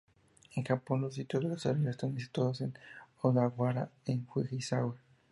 En Japón, los sitios del desarrollo están situados en Odawara y Fujisawa.